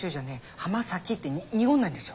浜崎って濁んないんですよ。